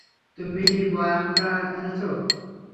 তুমি বয়ামটা এনেছ।